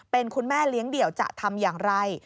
เป็นคุณแม่เลี้ยงเดี่ยวจะทำอย่างไร